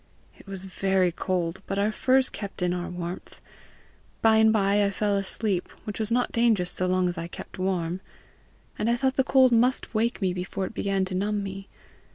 It was very cold, but our furs kept in our warmth. By and by I fell asleep which was not dangerous so long as I kept warm, and I thought the cold must wake me before it began to numb me.